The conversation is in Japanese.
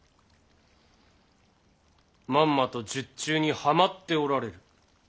まんまと術中にはまっておられる。